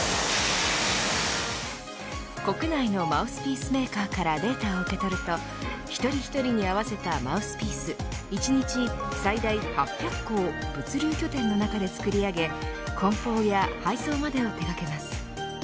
国内のマウスピースメーカーからデータを受け取ると一人一人に合わせたマウスピース一日に最大８００個を物流拠点の中で作り上げ梱包や配送までを手がけます。